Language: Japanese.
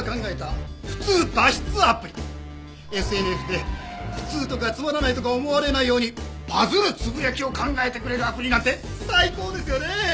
ＳＮＳで普通とかつまらないとか思われないようにバズるつぶやきを考えてくれるアプリなんて最高ですよね。